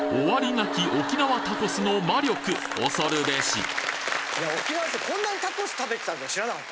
なき沖縄タコスの魔力おそるべし沖縄ってこんなにタコス食べてたって知らなかった。